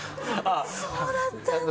そうだったんだ。